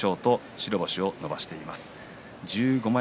白星を伸ばしています。